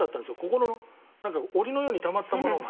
心のなんか澱のようにたまったものが。